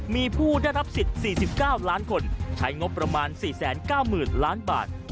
มีผู้ได้รับสิทธิ์๔๙ล้านคนใช้งบประมาณ๔๙๐๐๐ล้านบาท